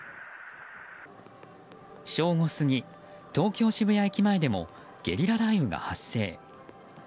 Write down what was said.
正午過ぎ、東京・渋谷駅前でもゲリラ雷雨が発生。